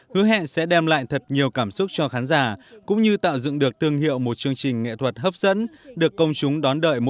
hứa hẹn sẽ đem lại thật nhiều cảm xúc cho khán giả cũng như tạo dựng được thương hiệu một chương trình nghệ thuật hấp dẫn được công chúng đón đợi mỗi dịp đầu năm mới